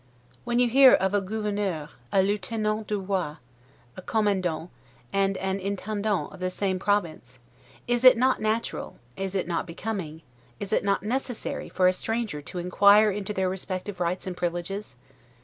When you hear of a gouverneur, a lieutenant du Roi, a commandant, and an intendant of the same province, is, it not natural, is it not becoming, is it not necessary, for a stranger to inquire into their respective rights and privileges?